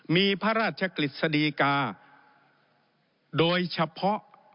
มีพระราชกฤษฎีกาโดยเฉพาะ